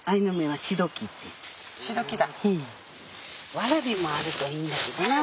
ワラビもあるといいんだけどな。